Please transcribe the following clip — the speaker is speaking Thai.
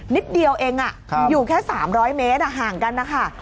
นิดเดียวเองอยู่แค่๓๐๐เมตรห่างกันนะคะ